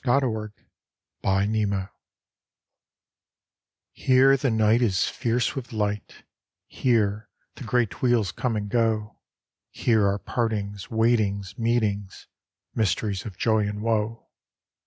At the Railway Station Here the night is fierce with light, Here the great wheels come and go, Here are partings, waitings, meetings, Mysteries of joy and woe.